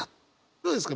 どうですか？